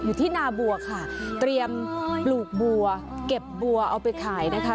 ที่นาบัวค่ะเตรียมปลูกบัวเก็บบัวเอาไปขายนะคะ